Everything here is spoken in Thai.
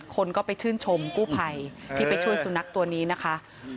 คนก็ชื่นชมกู้ไพที่ช่วยสูนักตัวนี้นะคะ